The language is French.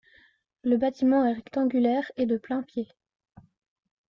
Le bâtiment est rectangulaire et de plain-pied.